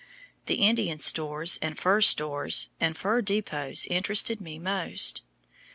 The Indian stores and fur stores and fur depots interested me most.